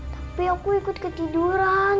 tapi aku ikut ke tiduran